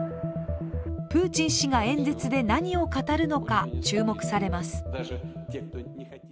プーチン氏が演説で何を語るのか注目されます。